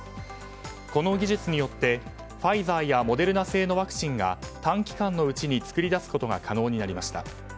この技術によってファイザーやモデルナ性のワクチンが短期間のうちに作り出すことが可能になりました。